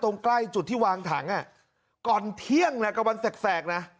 ใกล้จุดที่วางถังก่อนเที่ยงนะกับวันแสกนะ